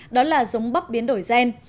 đó là giống bắp biến đổi gen